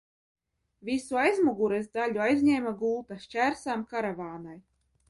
Visu aizmugures daļu aizņēma gulta, šķērsām karavānei.